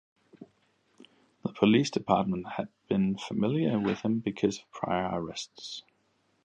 The police department had been familiar with him because of prior arrests.